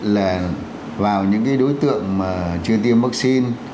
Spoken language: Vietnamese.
là vào những cái đối tượng mà chưa tiêm vaccine